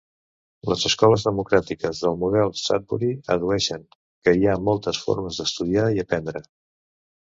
Les escoles democràtiques del Model Sudbury addueixen que hi ha moltes formes d'estudiar i aprendre.